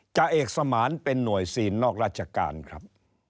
จ่าเอกสมานเป็นหน่วยซีนนอกราชการครับ